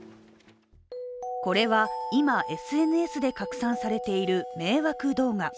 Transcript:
これは、今、ＳＮＳで拡散されている迷惑動画。